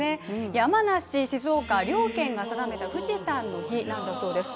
山梨、静岡両県が定めた日富士山の日なんですね。